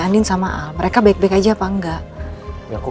andin sama mereka baik baik aja apa enggak